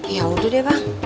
ya udah deh bang